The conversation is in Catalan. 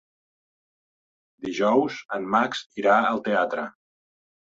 Dijous en Max irà al teatre.